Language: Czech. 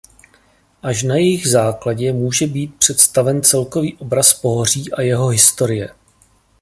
Až na jejich základě může být představen celkový obraz pohoří a jeho historie.